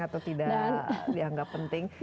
atau tidak dianggap penting